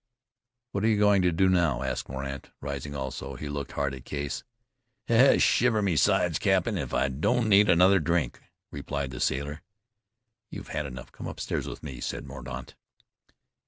"What are you going to do now?" asked Mordaunt, rising also. He looked hard at Case. "Shiver my sides, cap'n, if I don't need another drink," replied the sailor. "You have had enough. Come upstairs with me," said Mordaunt.